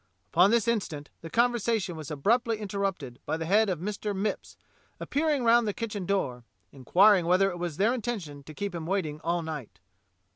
Upon this instant the conversation was abruptly interrupted by the head of Mr. Mipps appear ing round the kitchen door, inquiring whether it was their intention to keep him waiting all night.